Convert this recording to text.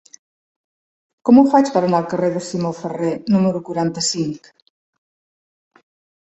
Com ho faig per anar al carrer de Simó Ferrer número quaranta-cinc?